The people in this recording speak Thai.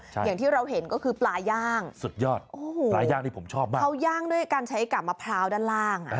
อย่างที่เราเห็นก็คือปลาย่างสุดยอดโอ้โหปลาย่างนี่ผมชอบมากเขาย่างด้วยการใช้กาบมะพร้าวด้านล่างอ่ะ